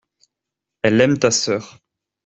Elle aime ta sœur.